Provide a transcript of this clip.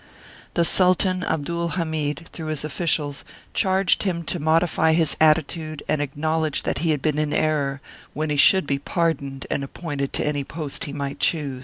The Sultan Abdul Hamid, through his officials, charged him to modify his attitude and acknowledge that he had been in error, when he should be par doned and appointed to any post he might choose.